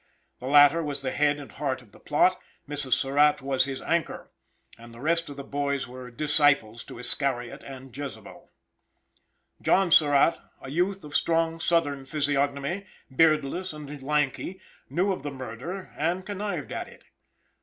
The latter was the head and heart of the plot; Mrs. Surratt was his anchor, and the rest of the boys were disciples to Iscariot and Jezebel. John Surratt, a youth of strong Southern physiognomy, beardless and lanky, knew of the murder and connived at it.